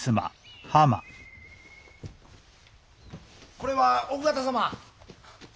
・これは奥方様。